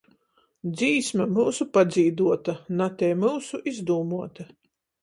Dzīsme myusu padzīduota, Na tei myusu izdūmuota...